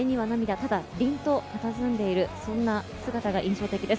ただ凛と佇んでいる、そんな姿が印象的です。